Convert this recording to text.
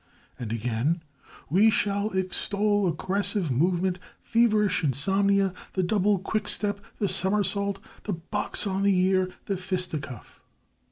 And, again: "We shall extol aggressive movement, feverish insomnia, the double quickstep, the somersault, the box on the ear, the fisticuff."